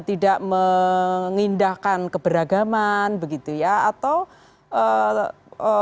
tidak mengindahkan keberagaman begitu ya atau ee